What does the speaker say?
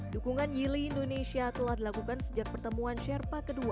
dukungan yili indonesia telah dilakukan sejak pertemuan sherpa ii